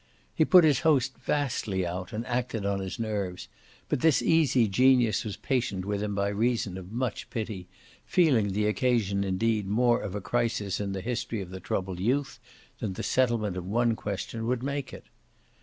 He put his host vastly out and acted on his nerves, but this easy genius was patient with him by reason of much pity, feeling the occasion indeed more of a crisis in the history of the troubled youth than the settlement of one question would make it.